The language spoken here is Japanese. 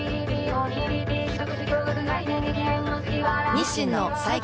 日清の最強